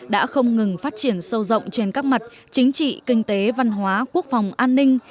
đã không ngừng phát triển sâu rộng trên các mặt chính trị kinh tế văn hóa quốc phòng an ninh